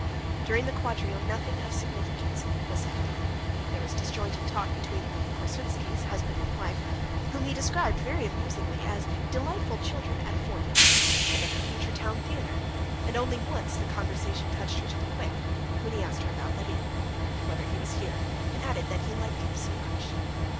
During the quadrille nothing of any significance was said: there was disjointed talk between them of the Korsunskys, husband and wife, whom he described very amusingly, as delightful children at forty, and of the future town theater; and only once the conversation touched her to the quick, when he asked her about Levin, whether he was here, and added that he liked him so much.